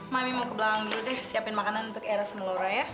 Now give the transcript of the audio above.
mami mau ke belakang dulu deh siapin makanan untuk era semelora ya